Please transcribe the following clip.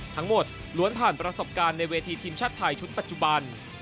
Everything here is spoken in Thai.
ล้วนผ่านประสบการณ์ในเวทีทีมชาติไทยชุดปัจจุบัน